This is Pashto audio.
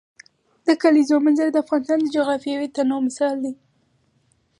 د کلیزو منظره د افغانستان د جغرافیوي تنوع مثال دی.